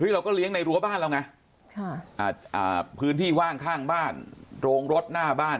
เราก็เลี้ยงในรั้วบ้านเราไงพื้นที่ว่างข้างบ้านโรงรถหน้าบ้าน